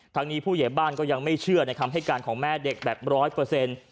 ทั้งนี้ผู้ใหญ่บ้านก็ยังไม่เชื่อในคำให้การของแม่เด็กแบบร้อยเปอร์เซ็นต์